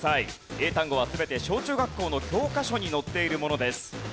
英単語は全て小中学校の教科書に載っているものです。